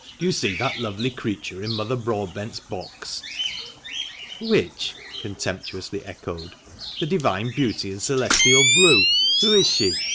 Do you see that lovely creature in Mother Broadbent's box?" "Which?" was the obtuse answer. "Which!" (contemptuously echoed.) "The divine beauty in celestial blue. Who is she?"